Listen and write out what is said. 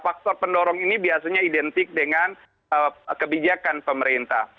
faktor pendorong ini biasanya identik dengan kebijakan pemerintah